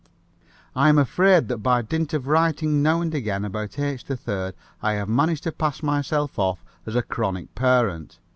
I'm afraid that by dint of writing now and again about H. 3rd I have managed to pass myself off as a chronic parent.